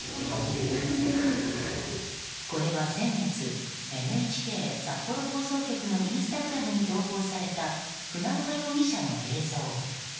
これは先月ＮＨＫ札幌放送局のインスタグラムに投稿された船岡容疑者の映像。